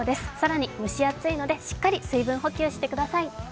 更に蒸し暑いので、しっかり水分補給してください。